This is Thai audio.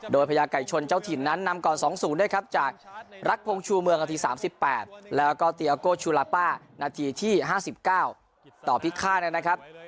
โดยพญาไก่ชนเจ้าถิ่นนั้นนำก่อน๒๐ด้วยครับจากรักพงชูเมืองนาที๓๘แล้วก็เตียโก้ชูลาป้านาทีที่๕๙ต่อพิฆาตนะครับ